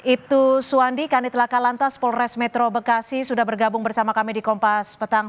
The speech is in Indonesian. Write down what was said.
ibtu suwandi kanit laka lantas polres metro bekasi sudah bergabung bersama kami di kompas petang